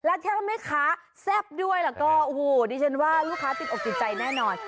แล้วเท่าไหมคะแซ่บด้วยล่ะก็โอ้โหนี่ฉันว่าลูกค้าติดอกจิตใจแน่นอน